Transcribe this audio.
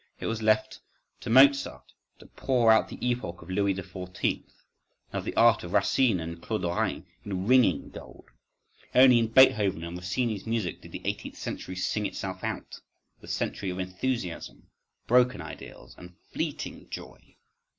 It was left to Mozart, to pour out the epoch of Louis XIV., and of the art of Racine and Claude Lorrain, in ringing gold; only in Beethoven's and Rossini's music did the Eighteenth Century sing itself out—the century of enthusiasm, broken ideals, and fleeting joy.